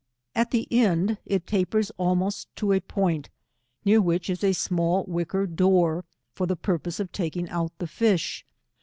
At the end it tapers almost to a point, near which is a small wicker door, for the purpose of taking out the fish.